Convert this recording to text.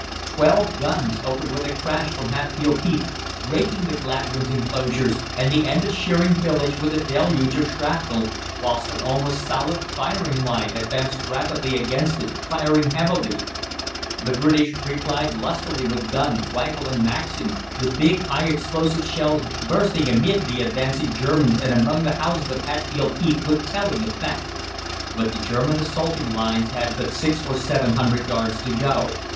Twelve guns opened with a crash from Hatfield Heath, raking the Gladwyns enclosures and the end of Sheering village with a deluge of shrapnel, whilst an almost solid firing line advanced rapidly against it, firing heavily. [Illustration: BATTLE OF HARLOW 1^{ST} PHASE about 5 a m Sept 13^{th}] The British replied lustily with gun, rifle, and maxim, the big high explosive shells bursting amid the advancing Germans and among the houses of Hatfield Heath with telling effect. But the German assaulting lines had but six or seven hundred yards to go.